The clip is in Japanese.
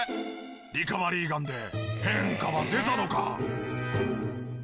リカバリーガンで変化は出たのか？